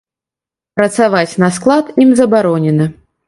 Працаваць на склад ім забаронена.